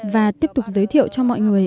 và tiếp tục giới thiệu cho mọi người